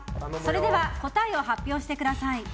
それでは答えを発表してください。